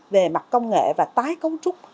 về mặt công nghệ và tái công trúc